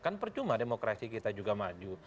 kan percuma demokrasi kita juga maju